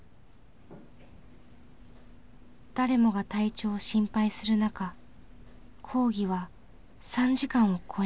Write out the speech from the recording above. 誰もが体調を心配する中講義は３時間を超えました。